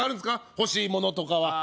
欲しいものとかはあ